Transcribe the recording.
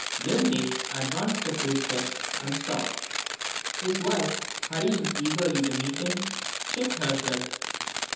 Linley advanced a few steps and stopped. His wife, hurrying eagerly to meet him, checked herself.